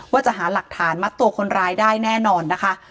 ว่าจะหาหลักฐานมัดตัวคนร้ายได้แน่นอนนะคะ